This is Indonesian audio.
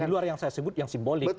di luar yang saya sebut yang simbolik